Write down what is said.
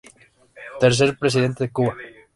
Tercer Presidente de Cuba.